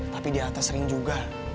tapi di atas ring juga